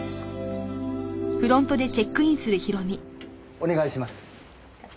お願いします。